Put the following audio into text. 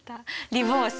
リボース！